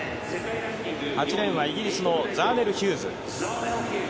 ８レーンはイギリスのザーネル・ヒューズ。